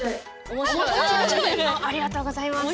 おっありがとうございます。